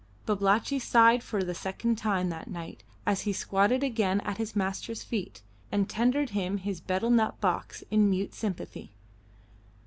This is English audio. Babalatchi sighed for the second time that night as he squatted again at his master's feet and tendered him his betel nut box in mute sympathy.